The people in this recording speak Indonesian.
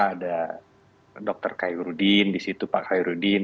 ada dr kayu rudin di situ pak kayu rudin